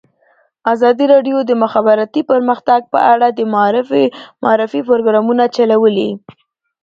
ازادي راډیو د د مخابراتو پرمختګ په اړه د معارفې پروګرامونه چلولي.